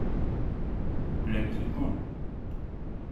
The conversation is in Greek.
Βλέπεις λοιπόν;